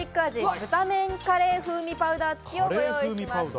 ブタメンカレー風味パウダー付きをご用意しました。